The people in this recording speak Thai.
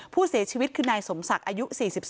ผู้เสียชีวิตคือนายสมศักดิ์อายุ๔๒